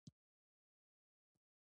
د ترینکوټ ښار د ارزګان مرکز دی